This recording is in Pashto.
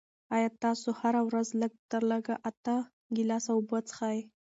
آیا تاسو هره ورځ لږ تر لږه اته ګیلاسه اوبه څښئ؟